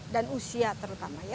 dan usia terutama